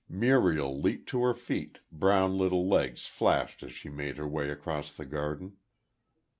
Muriel leaped to her feet; brown little legs flashed as she made her way across the garden.